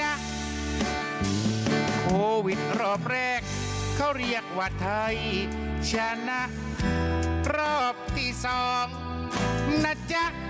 โควิดรอบแรกเขาเรียกว่าไทยชนะรอบที่๒นะจ๊ะ